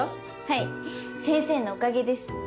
はい先生のおかげです。